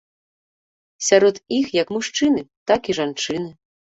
Сярод іх як мужчыны, так і жанчыны.